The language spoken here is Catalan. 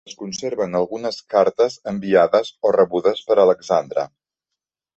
Es conserven algunes cartes enviades o rebudes per Alexandre.